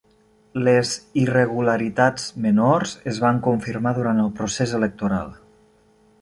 Les irregularitats menors es van confirmar durant el procés electoral.